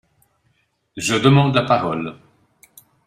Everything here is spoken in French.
Je demande la parole